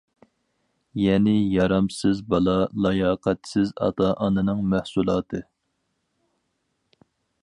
يەنى يارامسىز بالا لاياقەتسىز ئاتا-ئانىنىڭ مەھسۇلاتى.